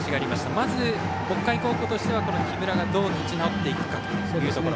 まず北海高校としてはこの木村が、どう立ち直っていくかというところ。